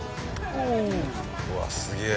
うわっすげえ！